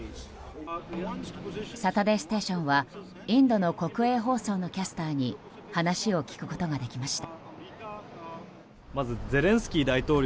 「サタデーステーション」はインドの国営放送のキャスターに話を聞くことができました。